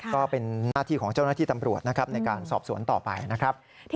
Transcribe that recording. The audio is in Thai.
ก็เป็นหน้าที่ของเจ้าหน้าที่ตำรวจนะครับในการสอบสวนต่อไปนะครับ